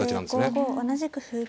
後手５五同じく歩。